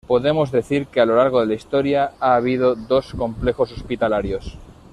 Podemos decir que a lo largo de la historia ha habido dos complejos hospitalarios.